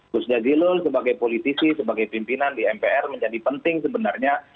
gus jazilul sebagai politisi sebagai pimpinan di mpr menjadi penting sebenarnya